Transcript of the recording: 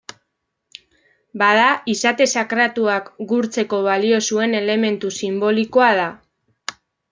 Bada, izate sakratuak gurtzeko balio zuen elementu sinbolikoa da.